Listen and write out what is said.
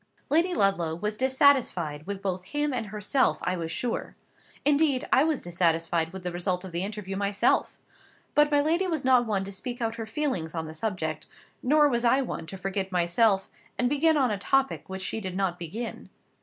Lady Ludlow was dissatisfied with both him and herself, I was sure. Indeed, I was dissatisfied with the result of the interview myself. But my lady was not one to speak out her feelings on the subject; nor was I one to forget myself, and begin on a topic which she did not begin.